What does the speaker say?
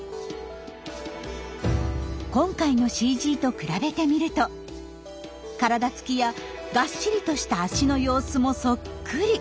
今回のＣＧと比べてみると体つきやがっしりとした脚の様子もそっくり！